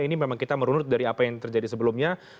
ini memang kita merunut dari apa yang terjadi sebelumnya